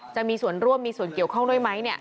จะมีส่วนร่วมมีส่วนเกี่ยวข้องด้วยไหม